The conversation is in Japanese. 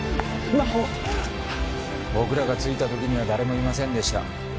真帆は⁉僕らが着いた時には誰もいませんでした。